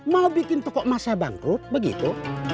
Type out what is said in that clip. mau bikin toko emasnya bangkrut begitu